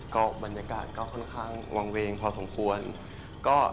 ก็บรรยากาศก็ค่อนข้างวางเวงพอสมควร